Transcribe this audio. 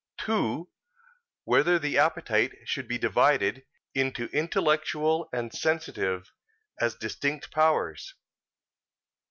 (2) Whether the appetite should be divided into intellectual and sensitive as distinct powers?